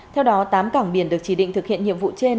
theo đó tám cảng biển được chỉ định thực hiện nhiệm vụ trên